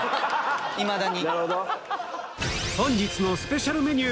いまだに。